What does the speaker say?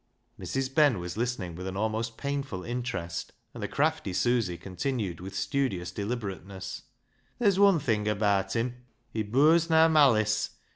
Mrs. Ben was listening with an almost painful interest, and the crafty Susy continued with studious deliberateness —" Ther's wun thing abaat him ; he burs na S BECKSIDE LIGHTS in.